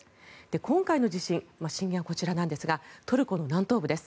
今回の地震震源はこちらなんですがトルコの南東部です。